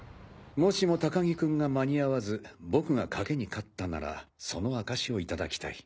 もしも高木君が間に合わず僕が賭けに勝ったならその証しを頂きたい。